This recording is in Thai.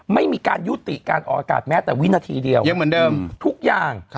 ไม่มีการยุติการออกอากาศแม้แต่วินาทีเดียวยังเหมือนเดิมทุกอย่าง